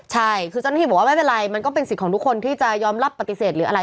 ใช่คือเจ้าหน้าที่บอกว่าไม่เป็นไรมันก็เป็นสิทธิ์ของทุกคนที่จะยอมรับปฏิเสธหรืออะไร